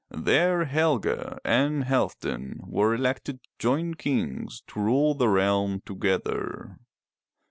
There Helge and Halfdan were elected joint kings to rule the realm together.